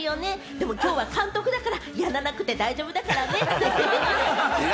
でも、きょうは監督だからやらなくて大丈夫だからね。